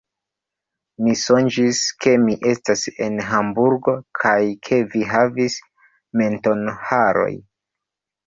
Mi sonĝis, ke mi estas en Hamburgo kaj ke vi havis mentonharojn.